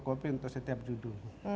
kopi untuk setiap judul